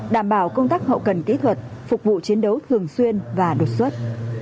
đảm bảo công tác hậu cần kỹ thuật phục vụ chiến đấu thường xuyên và đột xuất